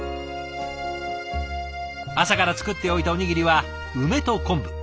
朝から作っておいたおにぎりは梅と昆布。